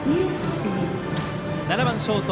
７番ショート